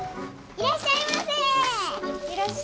いらっしゃいませ。